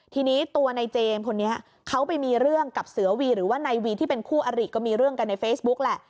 ทีนี้ตัวในเจมส์คนนี้เขาไปมีเรื่องกับเสือวีหรือว่านายวีที่เป็นคู่อริก็มีเรื่องกันในเฟซบุ๊กแหละ